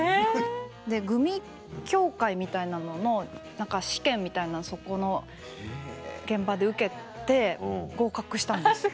でグミ協会みたいなのの何か試験みたいなそこの現場で受けて合格したんですよ。